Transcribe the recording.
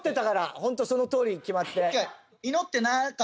ホントそのとおりに決まって。